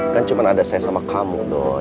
kan cuma ada saya sama kamu dong